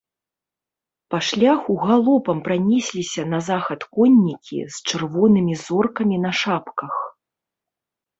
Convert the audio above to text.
Па шляху галопам пранесліся на захад коннікі з чырвонымі зоркамі на шапках.